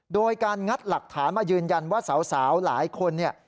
โดยการงัดหลักฐานมายืนยันว่าสาวหลายคนเนี่ย